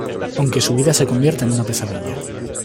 Aunque su vida se convierta en una pesadilla.